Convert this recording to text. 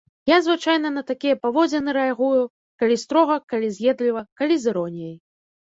Я звычайна на такія паводзіны рэагую, калі строга, калі з'едліва, калі з іроніяй.